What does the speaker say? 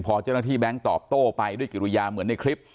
พอเจ้าหน้าที่แบงค์ตอบโต้ไปด้วยกิริยาเหมือนในคลิป